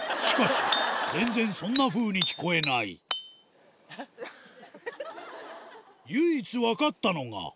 しかし全然そんなふうに聞こえない唯一分かったのが